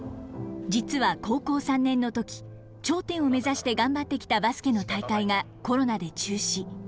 実は高校３年の時頂点を目指して頑張ってきたバスケの大会がコロナで中止。